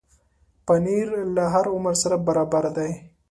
پنېر له هر عمر سره برابر دی.